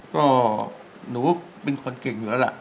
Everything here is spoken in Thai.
ก็หนูเป็นคนเก่งอยู่แล้วล่ะ